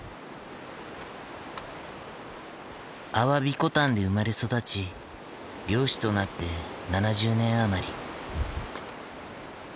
鮑古丹で生まれ育ち漁師となって７０年余り。